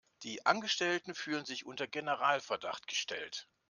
Die Angestellten fühlen sich unter Generalverdacht gestellt.